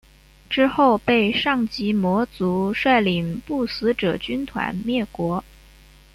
之后被上级魔族率领不死者军团灭国。